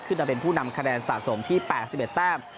มาเป็นผู้นำคะแนนสะสมที่๘๑แต้ม